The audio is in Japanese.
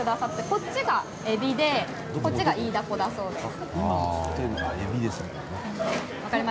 こっちがエビでこっちがイイダコだそうです。